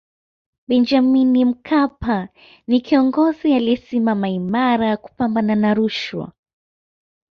benjamin mkapa ni kiongozi aliyesimama imara kupambana na rushwa